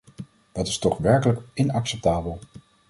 Dat is toch werkelijk inacceptabel.